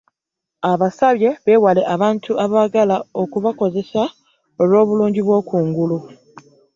Abasabye beewale abantu abaagala okubakozesa olw'obulungi obw'okungulu